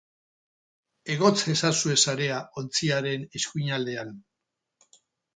Egotz ezazue sarea ontziaren eskuinaldean.